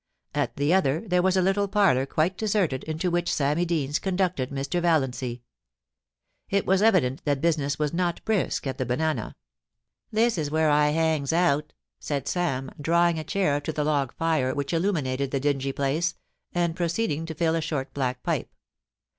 At the other, there was a litde parlour quite deserted, into which Sammy Deans conducted Mr. Valiancy. It was evident that business was not brisk at the Banana. * This is where I hangs out,' said Sam, drawing a chair to the log fire which illuminated the dingy place, and proceed ing to fill a short black pipe.